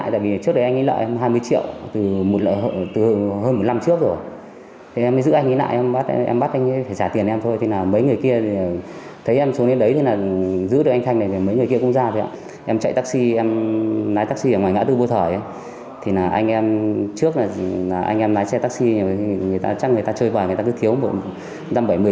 thì người ta chắc người ta chơi bài người ta cứ thiếu một năm bảy mười triệu thì người ta cứ vai em